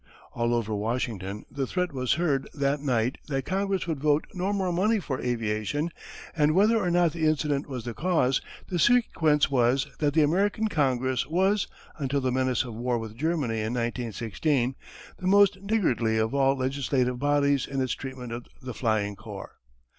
All over Washington the threat was heard that night that Congress would vote no more money for aviation, and whether or not the incident was the cause, the sequence was that the American Congress was, until the menace of war with Germany in 1916, the most niggardly of all legislative bodies in its treatment of the flying corps.